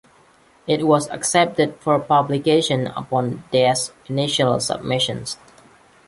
It was accepted for publication upon Dietz's initial submission.